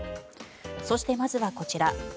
そして、まずはこちら。